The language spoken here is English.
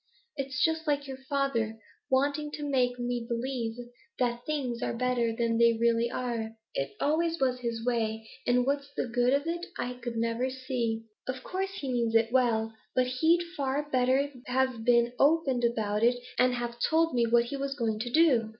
It's just like your father wanting to make me believe that things are better than they really are; it always was his way, and what's the good of it I never could see. Of course he means it well, but he'd far better have been open about it, and have told me what he was going to do.'